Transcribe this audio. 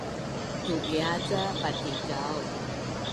Tui’ia ca batikaul